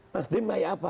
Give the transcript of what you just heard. last dream kayak apa